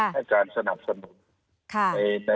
ให้การสนับสนุน